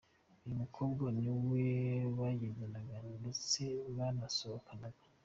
Uyu mukobwa ni we bagendanaga ndetse baranasohokanaga.